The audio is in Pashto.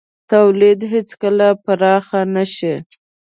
تولید هېڅکله پراخ نه شي.